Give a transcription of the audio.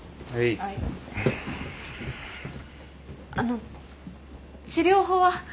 あの治療法は？